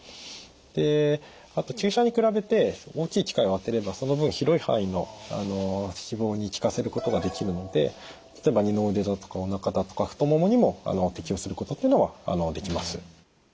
であと注射に比べて大きい機械を当てればその分広い範囲の脂肪に効かせることができるので例えば二の腕だとかおなかだとか太ももにも適用することっていうのはできます。